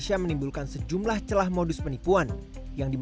yang bisa d append to reddit